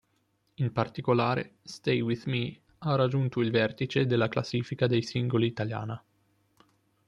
In particolare, "Stay with Me" ha raggiunto il vertice della classifica dei singoli italiana.